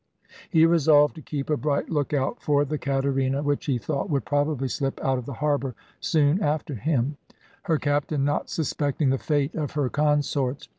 He resolved to keep a bright look out for the Caterina, which he thought would probably slip out of the harbour soon after him, her captain not suspecting the fate of her consorts.